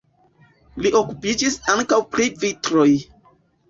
Li okupiĝis ankaŭ pri vitroj.